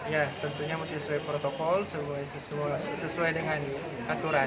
ya tentunya masih sesuai protokol sesuai dengan aturan